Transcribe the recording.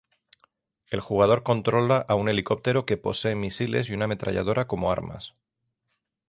El jugador controla a un helicóptero que posee misiles y una ametralladora como armas.